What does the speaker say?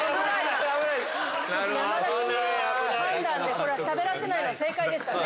これはしゃべらせないのは正解でしたね。